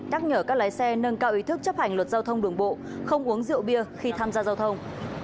nhắc nhở các lái xe nâng cao ý thức chấp hành luật giao thông đường bộ không uống rượu bia khi tham gia giao thông